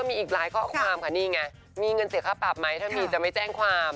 มีอีกหลายข้อความค่ะนี่ไงมีเงินเสียค่าปรับไหมถ้ามีจะไม่แจ้งความ